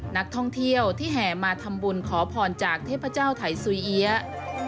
นักท่องเที่ยวที่แห่มาทำบุญขอพรจากเทพเจ้าไถสุยเอี๊ยะ